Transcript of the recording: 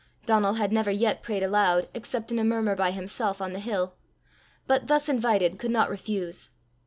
Donal had never yet prayed aloud except in a murmur by himself on the hill, but, thus invited, could not refuse.